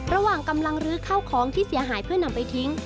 ระหว่างกำลังลื้อเข้าของที่เสียหายเพื่อนำไปทิ้ง